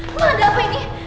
mas mas ada apa ini